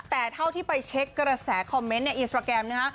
แต่เท่าที่ไปเช็คกระแสคอมเมนต์ในอินสตราแกรมนะฮะ